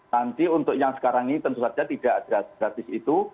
nanti untuk yang sekarang ini tentu saja tidak gratis itu